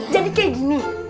jadi kayak gini